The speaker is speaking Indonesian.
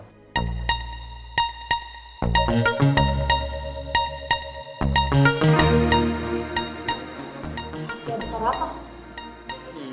kasih ada sarapan